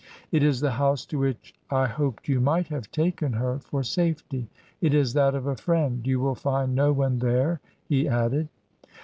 "It is the house to which I hoped you might have taken her for safety, it is that of a friend; you will find no one there," he added.